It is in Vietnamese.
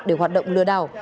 để hoạt động lừa đảo